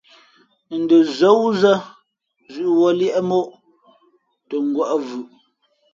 N dαzά wúzᾱ zʉ̌ʼ wuᾱ liēʼ ̀móʼ tα ngwα̌ʼ ̀mvʉʼ.